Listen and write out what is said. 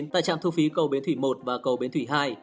tại trạm thu phí cầu bến thủy một và cầu bến thủy hai